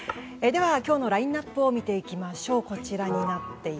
では、今日のラインアップを見ていきましょう。